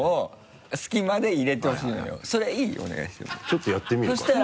ちょっとやってみるかじゃあ。